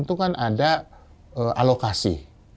itu kan ada alokasi